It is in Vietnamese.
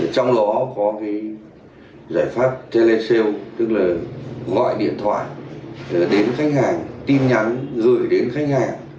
trong đó có cái giải pháp telecell tức là gọi điện thoại đến khách hàng tin nhắn gửi đến khách hàng